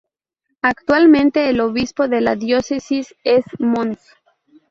Actualmente el obispo de la Diócesis es Mons.